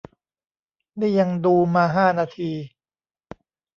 นี่ยังดูมาห้านาที